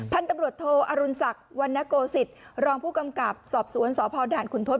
พันธุ์ตำรวจโทอรุณศักดิ์วันนโกศิษย์รองผู้กำกับสอบสวนสพด่านขุนทศ